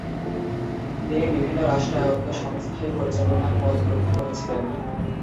তিনি বিভিন্ন রাষ্ট্রায়ত্ত সংস্থায় পরিচালনার পদ গ্রহণ করেছিলেন।